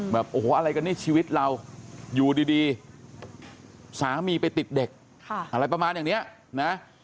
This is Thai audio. แบบโอ้โหอะไรกันนี่ชีวิตเราอยู่ดีสามีไปติดเด็กอะไรประมาณอย่างนี้นะ